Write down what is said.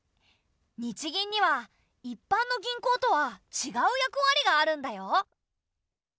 日銀には一般の銀行とはちがう役割があるんだよ。